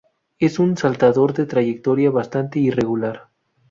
Es un saltador de trayectoria bastante irregular.